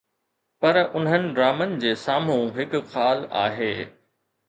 پر انهن ڊرامن جي سامهون هڪ خال آهي.